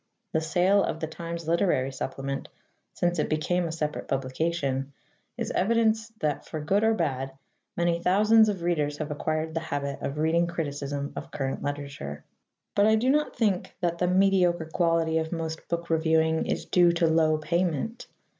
The sale of the Times Literary Supplement, since it became a separate publication, is evidence that, for good or bad, many thousands of readers have acquired the habit of reading criticism of current literature. But I do not think that the mediocre quality of most book reviewing is due to low payment.